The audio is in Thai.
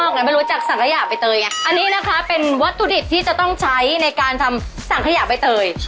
เราน่าไปรู้สันธยาะไปเตยงั้นนี่นะคะเป็นวัตถุดิบที่จะต้องใช้ในการทำสันธยาะไปเตย